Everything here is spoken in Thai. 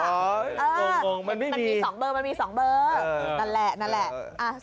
มันมี๒เบอร์มันมี๒เบอร์นั่นแหละนั่นแหละ